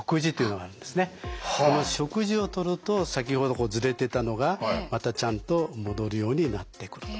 この食事をとると先ほどズレてたのがまたちゃんと戻るようになってくると。